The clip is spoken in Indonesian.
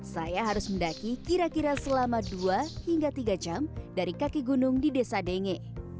saya harus mendaki kira kira selama dua hingga tiga jam dari kaki gunung di desa denge